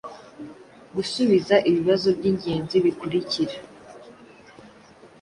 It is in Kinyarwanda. gusubiza ibibazo by’ingenzi bikurikira: